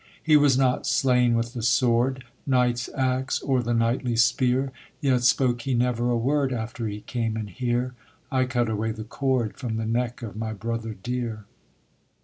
He was not slain with the sword, Knight's axe, or the knightly spear, Yet spoke he never a word After he came in here; I cut away the cord From the neck of my brother dear.